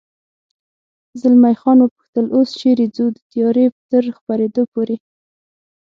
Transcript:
زلمی خان و پوښتل: اوس چېرې ځو؟ د تیارې تر خپرېدو پورې.